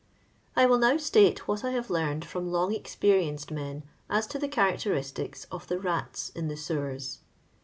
I WILL now state what I have learned from long experienced men, as to the characteristics of the rats in the sewers.